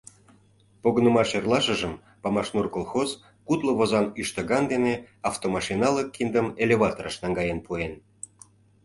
Погынымаш эрлашыжым «Памашнур» колхоз кудло возан ӱштыган дене автомашиналык киндым элеваторыш наҥгаен пуэн...